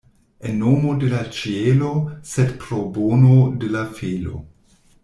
En nomo de la ĉielo, sed pro bono de la felo.